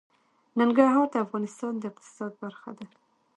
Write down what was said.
ننګرهار د افغانستان د اقتصاد برخه ده.